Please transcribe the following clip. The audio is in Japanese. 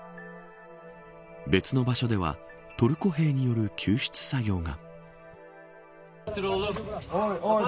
別の場所ではトルコ兵による救出作業が。